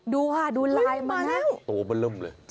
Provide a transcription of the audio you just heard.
ดูค่ะดูลายมานะตัวมันเริ่มเลย